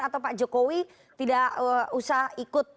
atau pak jokowi tidak usah ikut